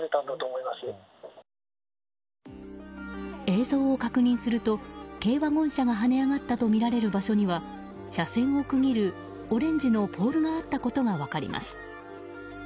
映像を確認すると軽ワゴン車が跳ね上がったとみられる場所には車線を区切るオレンジのポールがあったことが分かります。